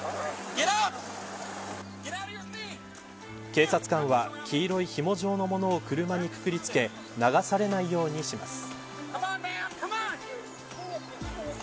警察官は黄色いひも状のものを車にくくりつけ流されないようにします。